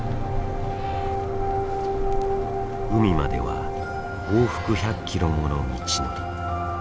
海までは往復１００キロもの道のり。